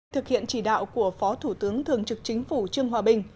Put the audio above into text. thực hiện chỉ đạo của phó thủ tướng thường trực chính phủ trương hòa bình